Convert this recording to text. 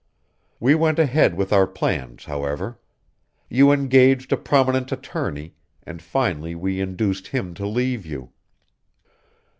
"We went ahead with our plans, however. You engaged a prominent attorney, and finally we induced him to leave you.